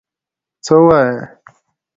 څه وايې؟